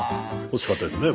欲しかったですね。